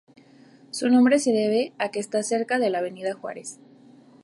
Su nombre se debe a que está cerca de la Avenida Juárez.